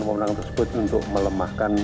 komunan tersebut untuk melemahkan